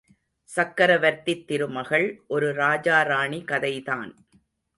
சக்ரவர்த்தித் திருமகள் ஒரு ராஜா ராணி கதைதான்.